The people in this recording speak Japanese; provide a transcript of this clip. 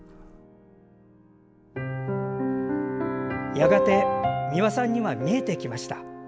やがて美輪さんには見えてきました。